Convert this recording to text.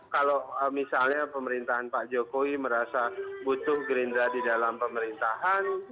kalau misalnya pemerintahan pak jokowi merasa butuh gerindra di dalam pemerintahan